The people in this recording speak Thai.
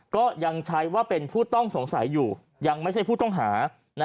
ก็ยังใช้ว่าเป็นผู้ต้องสงสัยอยู่ยังไม่ใช่ผู้ต้องหา